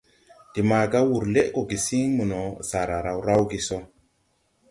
De maaga wur lɛʼ gɔ gesiŋ mono, saara raw rawge sɔ.